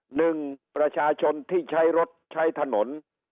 หนึ่งประชาชนที่ใช้รถใช้ถนน